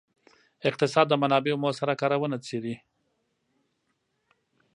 اقتصاد د منابعو مؤثره کارونه څیړي.